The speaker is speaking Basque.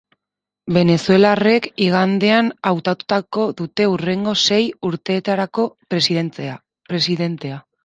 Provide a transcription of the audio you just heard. Venezuelarrek igandean hautatuko dute hurrengo sei urteetarako presidentea.